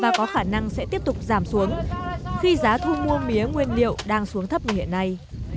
và có khả năng sẽ tiếp tục giảm xuống khi giá thu mua mía nguyên liệu đang xuống thấp như hiện nay